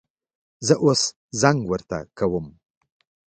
زه اوس زنګ ورته کوم